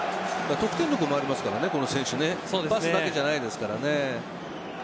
得点力もありますからねこの選手ねパスだけじゃないですから。